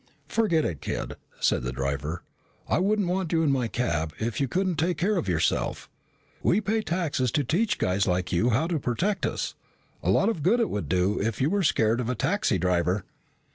"Forget it, kid," said the driver. "I wouldn't want you in my cab if you couldn't take care of yourself. We pay taxes to teach guys like you how to protect us. A lot of good it would do if you were scared of a taxi driver."